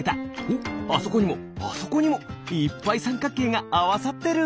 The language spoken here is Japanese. おっあそこにもあそこにもいっぱいさんかくけいがあわさってる！